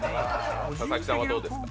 佐々木さんはどうですか？